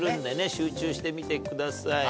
集中して見てください。